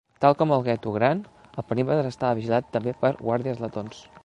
Tal com al gueto gran, el perímetre estava vigilat també per guàrdies letons.